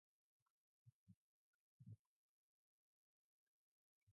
During the American Civil War, Carrollton soon fell under Union control.